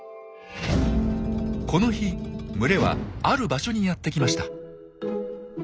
この日群れはある場所にやってきました。